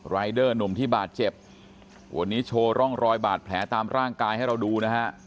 รายเดอร์หนุ่มที่บาดเจ็บวันนี้โชว์ร่องรอยบาดแผลตามร่างกายให้เราดูนะฮะ